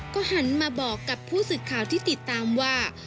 ก็หันมาบอกกับผู้สื่อข่าวที่ติดตามว่า